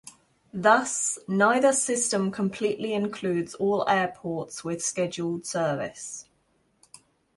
Thus, neither system completely includes all airports with scheduled service.